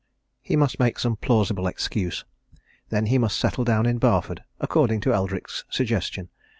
He must make some plausible excuse: then he must settle down in Barford, according to Eldrick's suggestion.